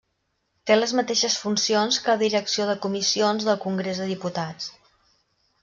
Té les mateixes funcions que la Direcció de Comissions del Congrés dels Diputats.